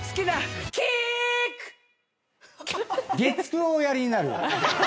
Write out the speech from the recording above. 月９をおやりになる。